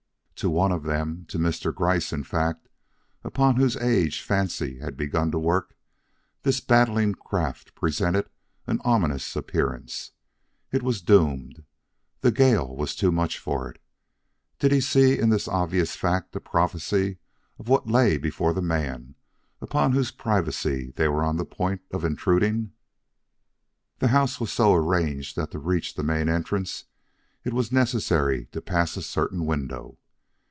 To one of them to Mr. Gryce, in fact, upon whose age Fancy had begun to work, this battling craft presented an ominous appearance. It was doomed. The gale was too much for it. Did he see in this obvious fact a prophecy of what lay before the man upon whose privacy they were on the point of intruding? The house was so arranged that to reach the main entrance it was necessary to pass a certain window.